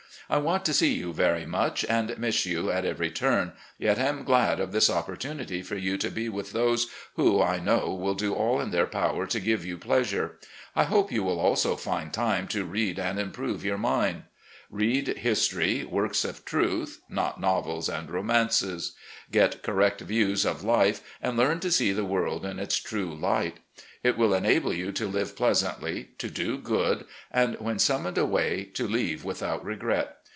I want to see you very much, and miss you at every turn, yet am glad of this opportunity for you to be with those who, I know, will do all in their power to give you pleasure. I hope you will also find time to read and improve your mind. Read history, works of 248 RECOLLECTIONS OP GENERAL LEE truth, not novels and romances. Get correct views of life, and learn to see the world in its true light. It will enable you to live pleasantly, to do good, and, when summoned away, to leave without regret.